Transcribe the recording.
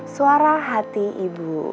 suara hati ibu